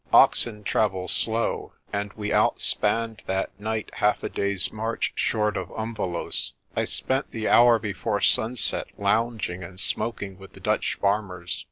Oxen travel slow, and we outspanned that night half a day's march short of Umvelos'. I spent the hour before sunset lounging and smoking with the Dutch farmers.